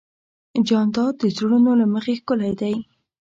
جانداد د زړونو له مخې ښکلی دی.